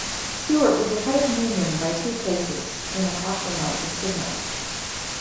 Stewart was ahead of Newman by two places when the caution light was signaled.